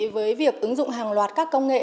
với việc ứng dụng hàng loạt các công nghệ